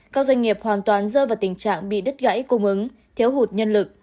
các doanh nghiệp hoàn toàn rơi vào tình trạng bị đứt gãy cung ứng thiếu hụt nhân lực